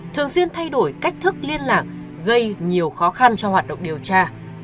nhưng thay đổi cách thức liên lạc gây nhiều khó khăn cho hoạt động điều tra